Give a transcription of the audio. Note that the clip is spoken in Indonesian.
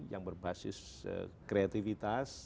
yang berbasis kreativitas